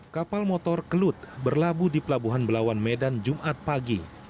kapal motor kelut berlabuh di pelabuhan belawan medan jumat pagi